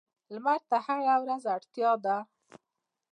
لمر ته هره ورځ اړتیا ده.